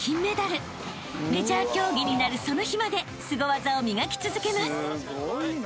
［メジャー競技になるその日までスゴ技を磨き続けます］